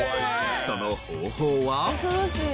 その方法は。